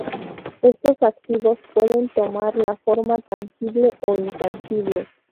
Estos activos pueden tomar la forma tangible o intangible.